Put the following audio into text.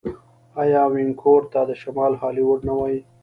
آیا وینکوور ته د شمال هالیوډ نه وايي؟